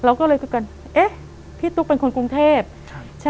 เราก็เลยคุยกันเอ๊ะพี่ตุ๊กเป็นคนกรุงเทพใช่ไหม